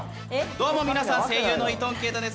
どうも皆さん声優の伊東健人です。